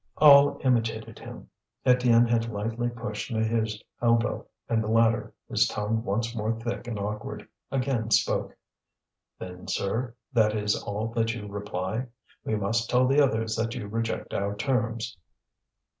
All imitated him. Étienne had lightly pushed Maheu's elbow, and the latter, his tongue once more thick and awkward, again spoke. "Then, sir, that is all that you reply? We must tell the others that you reject our terms."